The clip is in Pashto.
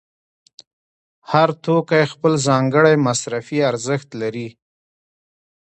هر توکی خپل ځانګړی مصرفي ارزښت لري